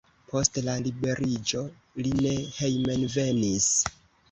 Post la liberiĝo li ne hejmenvenis.